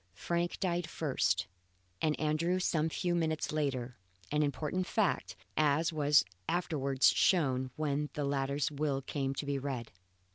Frank died first and Andrew some few minutes later an important fact, as was afterwards shown when the latter's will came to be read.